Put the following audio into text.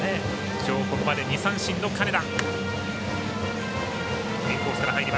きょう、ここまで２三振の金田。